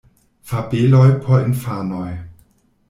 Fabeloj por infanoj.